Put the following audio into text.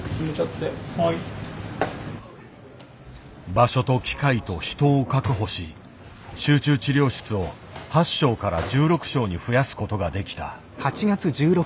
場所と機械と人を確保し集中治療室を８床から１６床に増やすことができた。